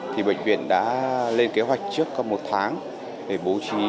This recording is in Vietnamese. thì bệnh viện đã lên kế hoạch trước một tháng để bố trí